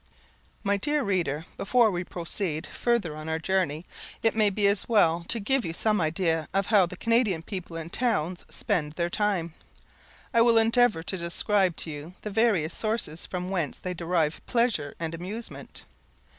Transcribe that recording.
S.M. My dear reader, before we proceed further on our journey, it may be as well to give you some idea of how the Canadian people in towns spend their time. I will endeavour to describe to you the various sources from whence they derive pleasure and amusement.